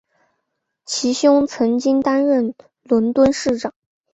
其兄曾经担任伦敦市长。